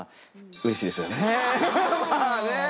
うれしいですね。